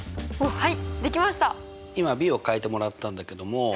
はい。